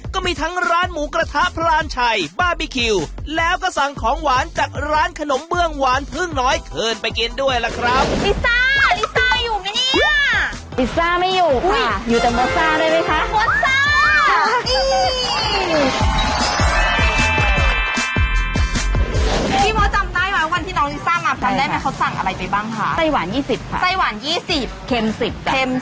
ก็มีทั้งร้านหมูกระทะพรานชัยบาร์บีคิวแล้วก็สั่งของหวานจากร้านขนมเบื้องหวานเพิ่งน้อยเคลิ่นไปกินด้วยล่ะครับ